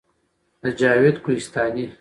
د جاوید کوهستاني